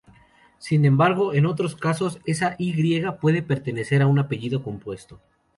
Sin embargo, en otros casos esa "y" puede pertenecer a un apellido compuesto.